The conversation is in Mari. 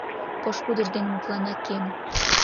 Пошкудыж ден мутлана Кем.